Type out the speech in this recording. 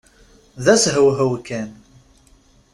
D ashewhew kan!